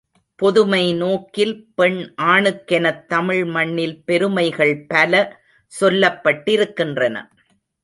பொதுமை நோக்கில் பெண் ஆணுக்கெனத் தமிழ் மண்ணில் பெருமைகள் பல சொல்லப் பட்டிருக்கின்றன.